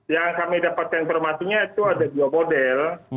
yang kami dapatkan informasinya itu ada dua model